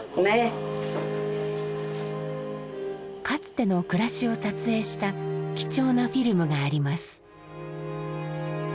かつての暮らしを撮影した貴重なフィルムがあります。